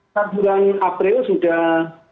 saburan april sudah